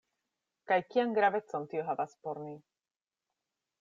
Kaj kian gravecon tio havas por ni?